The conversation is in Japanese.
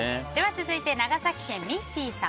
続いて、長崎県の方。